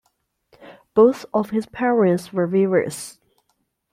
Both of his parents were weavers.